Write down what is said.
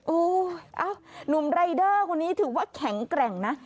โอ้โฮนุ่มเรด้อคนนี้ถือว่าแข็งแกร่งนะ